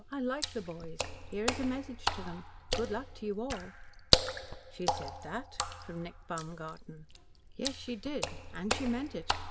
I like "the boys." Here is a message to them. "Good luck to you all."'" "She said that?" from Nick Baumgarten. "Yes, she did, and she meant it.